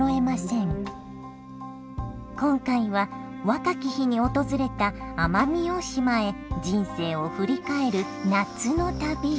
今回は若き日に訪れた奄美大島へ人生を振り返る夏の旅。